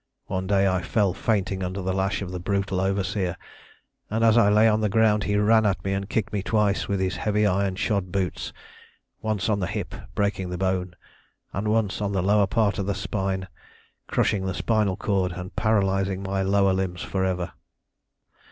One day I fell fainting under the lash of the brutal overseer, and as I lay on the ground he ran at me and kicked me twice with his heavy iron shod boots, once on the hip, breaking the bone, and once on the lower part of the spine, crushing the spinal cord, and paralysing my lower limbs for ever.